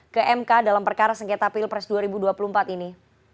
ke mk dalam perkara sengketa pilpres dua ribu dua puluh empat ini